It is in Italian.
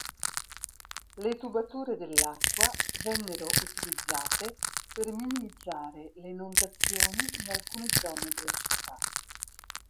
Le tubature dell'acqua vennero utilizzate per minimizzare le inondazioni in alcune zone della città.